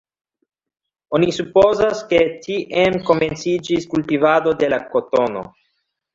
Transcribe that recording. Oni supozas, ke tiam komenciĝis kultivado de la kotono.